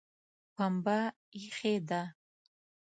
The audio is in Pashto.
پمبه ایښې ده